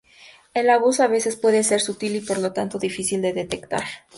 El abuso a veces puede ser sutil y, por lo tanto, difícil de detectar.